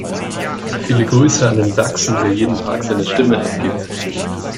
Viele Grüße an den Sachsen, der jeden Tag seine Stimme abgibt!